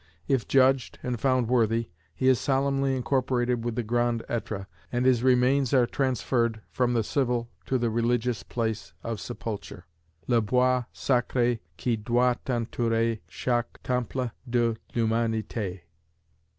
If judged, and found worthy, he is solemnly incorporated with the Grand Etre, and his remains are transferred from the civil to the religious place of sepulture: "le bois sacré" qui doit entourer chaque temple de l'Humanité."